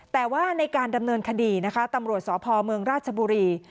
แต่ว่าในการดำเนินคดีนะคะตำรวจสพเมืองราชบุรี